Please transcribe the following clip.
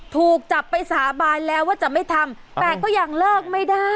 ถูกจับไปสาบานแล้วว่าจะไม่ทำแต่ก็ยังเลิกไม่ได้